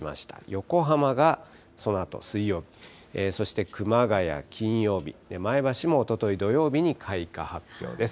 横浜がそのあと水曜日、そして熊谷、金曜日、前橋もおととい土曜日に開花発表です。